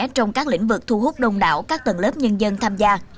trong các lĩnh vực thu hút đông đảo các tầng lớp nhân dân tham gia